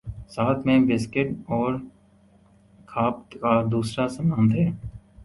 ساتھ میں بسکٹ اور کھا پ کا دوسرا سامان تھے